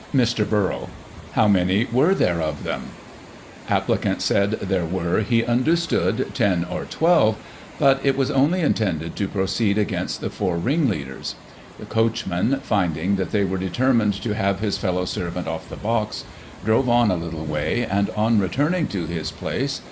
Mr. Burrell : How many were there of them ? AppHcant said there were, he understood, 10 or 12, but it was only intended to proceed against the four ringleaders. The coachman, finding that they were determined to have his fellow servant off the box, drove on a little way, and, on returning to his place.